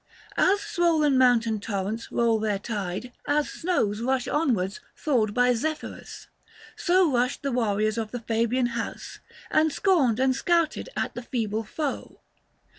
As swollen mountain torrents roll their tide, 225 As snows rush onwards thawed by Zephyrus, So rushed the warriors of the Fabian House And scorned and scouted at the feeble foe.